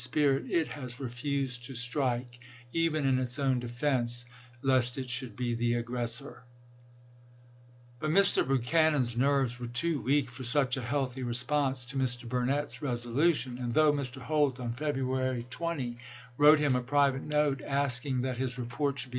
spirit, it has refused to strike, even in its own defense, ^J; ^JH1, lest it should be the aggressor. *mlm But Mr. Buchanan's nerves were too weak for such a healthy response to Mr. Burnett's resolution, ^Life of and though Mr. Holt, on February 20, wrote him an!"bvoi. a private note, asking that his report should be "493!